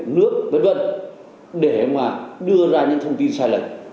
nước v v để mà đưa ra những thông tin sai lệch